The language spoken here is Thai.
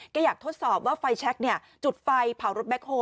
ก็อยากทดสอบว่าไฟแชคจุดไฟเผารถแคคโฮล